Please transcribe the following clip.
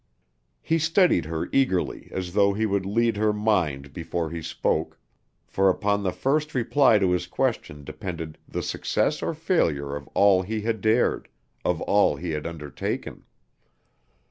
He studied her eagerly as though he would lead her mind before he spoke, for upon the first reply to his question depended the success or failure of all he had dared, of all he had undertaken.